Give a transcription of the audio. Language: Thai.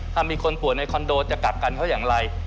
ถ้ามีคนป่วยในคอนโดจะกลับกันเขาอย่างไร